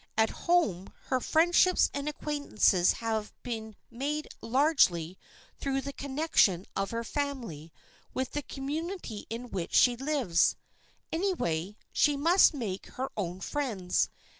At home, her friendships and acquaintances have been made largely through the connection of her family with the community in which she lives. Away, she must make her own friends.